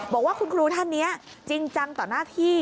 บอกว่าคุณครูท่านนี้จริงจังต่อหน้าที่